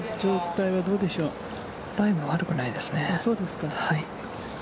ライも悪くないですね。